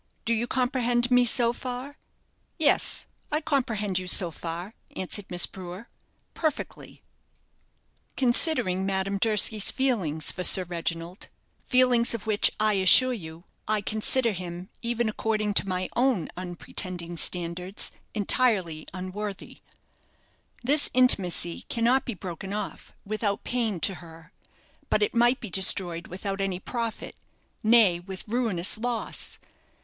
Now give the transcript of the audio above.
Do you comprehend me so far?" "Yes, I comprehend you so far," answered Miss Brewer, "perfectly." "Considering Madame Durski's feelings for Sir Reginald feelings of which, I assure you, I consider him, even according to my own unpretending standard, entirely unworthy this intimacy cannot be broken off without pain to her, but it might be destroyed without any profit, nay, with ruinous loss.